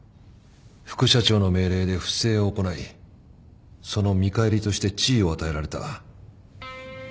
副社長の命令で不正を行いその見返りとして地位を与えられた。